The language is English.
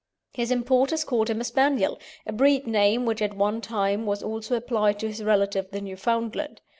His importers called him a Spaniel a breed name which at one time was also applied to his relative the Newfoundland.